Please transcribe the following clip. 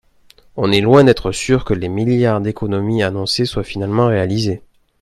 on est loin d’être sûrs que les milliards d’économies annoncés soient finalement réalisés.